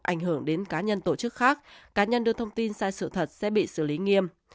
ảnh hưởng đến cá nhân tổ chức khác cá nhân đưa thông tin sai sự thật sẽ bị xử lý nghiêm